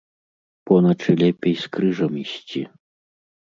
Поначы лепей з крыжам ісці.